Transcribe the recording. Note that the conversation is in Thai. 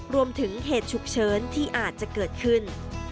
รวมถึงเหตุฉุกเฉินที่อาจจะเกิดขึ้น